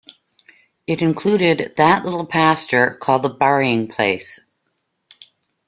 It included "that little pasture called the burying place".